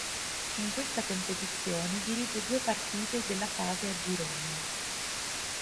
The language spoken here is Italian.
In questa competizione dirige due partite della fase a gironi.